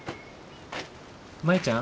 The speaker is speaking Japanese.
舞ちゃん。